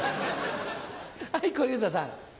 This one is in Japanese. はい小遊三さん。